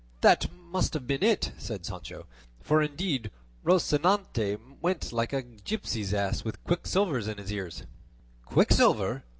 "That must have been it," said Sancho, "for indeed Rocinante went like a gipsy's ass with quicksilver in his ears." "Quicksilver!"